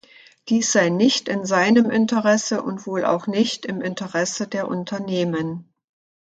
Dies sei nicht in seinem Interesse und wohl auch nicht im Interesse der Unternehmen.